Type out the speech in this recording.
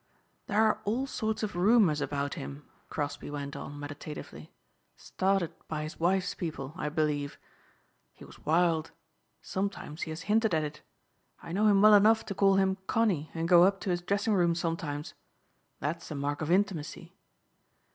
"There are all sorts of rumors about him," Crosbeigh went on meditatively, "started by his wife's people, I believe. He was wild. Sometimes he has hinted at it. I know him well enough to call him 'Connie' and go up to his dressing room sometimes. That's a mark of intimacy.